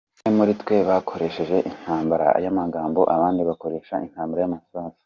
Bamwe muri twe bakoreshe intambara y;amagambo abandi bakoreshe intambara y’amasasu .